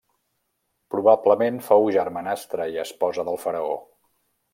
Probablement fou germanastra i esposa del faraó.